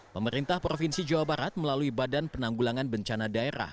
pemerintah provinsi jawa barat melalui badan penanggulangan bencana daerah